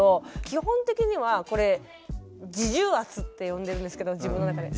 基本的にはこれ自重圧って呼んでるんですけど自分の中で。